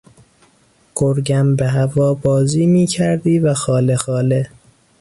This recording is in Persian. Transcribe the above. گرگم به هوا بازی می کردی و خاله خاله